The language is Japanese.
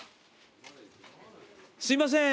すいません。